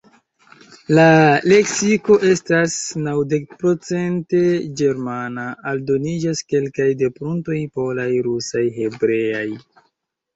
La leksiko estas naŭdekprocente ĝermana; aldoniĝas kelkaj depruntoj polaj, rusaj, hebreaj.